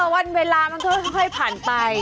วันเวลามันค่อยผ่านไป